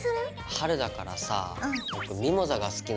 春だからさ僕ミモザが好きなの。